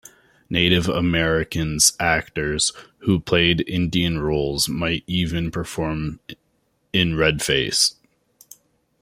Native Americans actors who played Indian roles might even perform in redface.